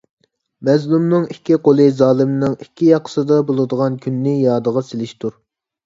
مەزلۇمنىڭ ئىككى قولى زالىمنىڭ ئىككى ياقىسىدا بولىدىغان كۈننى يادىغا سېلىشتۇر.